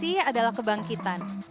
sri asi adalah kebangkitan